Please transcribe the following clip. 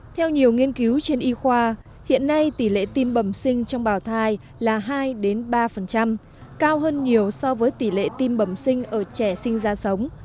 theo nhiều nghiên cứu trên y khoa hiện nay tỷ lệ tim bẩm sinh trong bảo thai là hai ba cao hơn nhiều so với tỷ lệ tim bẩm sinh ở trẻ sinh ra sống